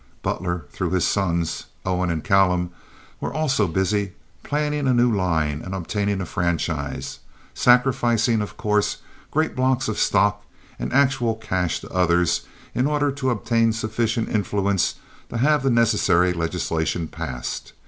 Butler, through his sons, Owen and Callum, was also busy planning a new line and obtaining a franchise, sacrificing, of course, great blocks of stock and actual cash to others, in order to obtain sufficient influence to have the necessary legislation passed.